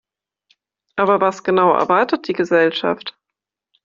Aber was genau erwartet die Gesellschaft?